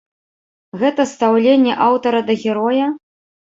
Гэта стаўленне аўтара да героя?